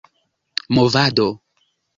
movado